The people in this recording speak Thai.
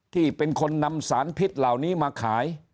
ที่เป็นคนนำสารพิษเหล่านี้มาขาย